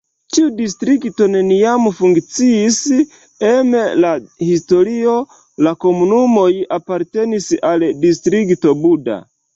Tiu distrikto neniam funkciis em la historio, la komunumoj apartenis al Distrikto Buda.